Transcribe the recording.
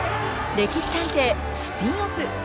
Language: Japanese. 「歴史探偵」スピンオフ。